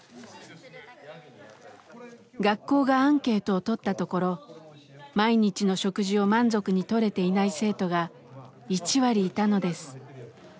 学校がアンケートをとったところ毎日の食事を満足にとれていない生徒が１割いたのです。